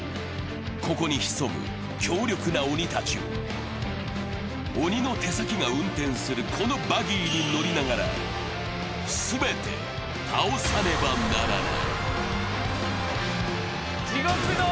ここに潜む強力な鬼たちを鬼の手先が運転するこのバギーに乗りながら全て倒さねばならない。